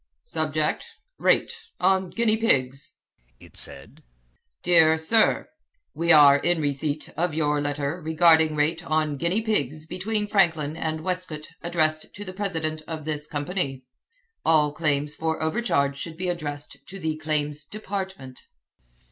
"Subject Rate on guinea pigs," it said, "Dr. Sir We are in receipt of your letter regarding rate on guinea pigs between Franklin and Westcote addressed to the president of this company. All claims for overcharge should be addressed to the Claims Department."